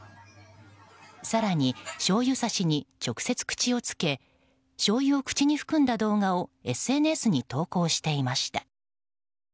更に、しょうゆさしに直接口をつけしょうゆを口に含んだ動画をＳＮＳに投稿していました。